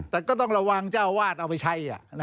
แต่ก็ต้องระวังเจ้าวาดเอาไปใช้